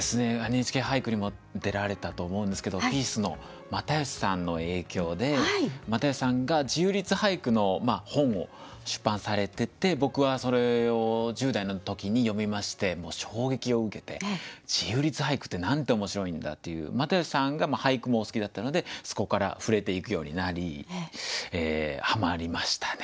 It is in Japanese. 「ＮＨＫ俳句」にも出られたと思うんですけどピースの又吉さんの影響で又吉さんが自由律俳句の本を出版されてて僕はそれを１０代の時に読みましてもう衝撃を受けて自由律俳句ってなんて面白いんだっていう又吉さんが俳句もお好きだったのでそこから触れていくようになりはまりましたね。